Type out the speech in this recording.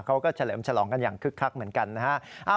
เขาก็เฉลิมฉลองกันอย่างคึกคักเหมือนกันนะครับ